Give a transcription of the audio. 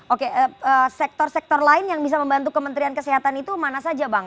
oke sektor sektor lain yang bisa membantu kementerian kesehatan itu mana saja bang